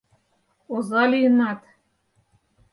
— Оза лийынат!